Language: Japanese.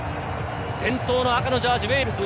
伝統の赤のジャージー、ウェールズ。